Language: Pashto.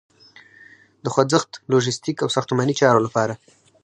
د خوځښت، لوژستیک او ساختماني چارو لپاره